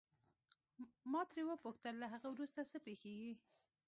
ما ترې وپوښتل له هغه وروسته څه پېښیږي.